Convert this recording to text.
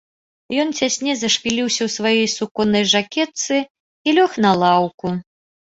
Ён цясней зашпіліўся ў сваёй суконнай жакетцы і лёг на лаўку.